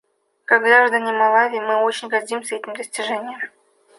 Как граждане Малави мы очень гордимся этим достижением.